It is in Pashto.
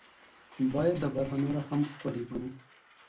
باید دا برخه نوره هم ښکلې کړو.